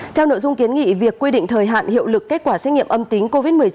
theo nội dung kiến nghị việc quy định thời hạn hiệu lực kết quả xét nghiệm âm tính covid một mươi chín